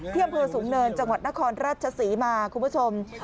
เที่ยมเมืองสูงเนินจังหวัดนครราชศรีมาคุณผู้ชม